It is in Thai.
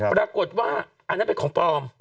ปรากฏว่าอันนั้นเป็นของปลอม